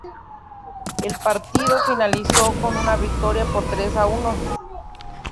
El partido finalizó con una victoria por tres a uno.